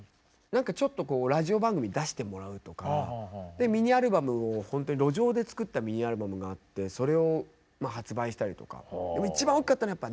何かちょっとラジオ番組出してもらうとかミニアルバムをほんとに路上で作ったミニアルバムがあってそれを発売したりとかああ